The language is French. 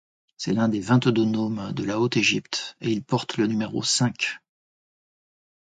C'est l'un des vingt-deux nomes de la Haute-Égypte et il porte le numéro cinq.